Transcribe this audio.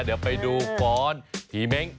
เดี๋ยวไปดูฟ้อนผีเม้ง